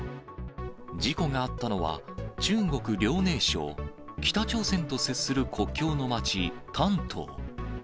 事故があったのは、中国・遼寧省、北朝鮮と接する国境の街、丹東。